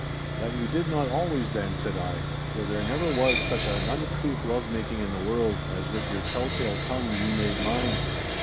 'That you did not always, then,' said I, 'for there never was such an uncouth love making in the world, as with your tell tale tongue ye made mine.